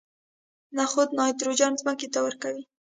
نخود نایتروجن ځمکې ته ورکوي.